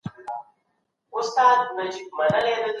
تېز رفتار مه کوئ.